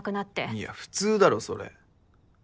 いや普通だろそれ。